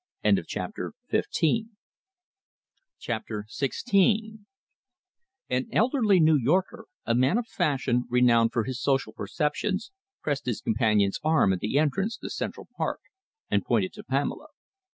CHAPTER XVI An elderly New Yorker, a man of fashion, renowned for his social perceptions, pressed his companion's arm at the entrance to Central Park and pointed to Pamela.